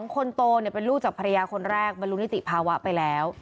คนโตเป็นลูกจากภรรยาคนแรกบรรลุนิติภาวะไปแล้ว